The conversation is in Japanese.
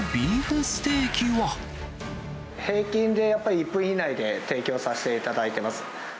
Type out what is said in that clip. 平均でやっぱり１分以内で提供させていただいてます。